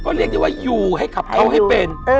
เรียกได้ว่าอยู่ให้ขับเอาให้เป็น